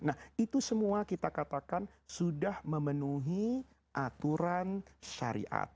nah itu semua kita katakan sudah memenuhi aturan syariat